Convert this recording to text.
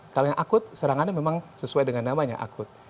kalau yang akut serangannya memang sesuai dengan namanya akut